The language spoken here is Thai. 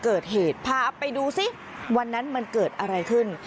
เกิดเหตุพาไปดูซิวันนั้นมันเกิดอะไรขึ้น